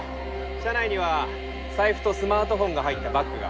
車内には財布とスマートフォンが入ったバッグが。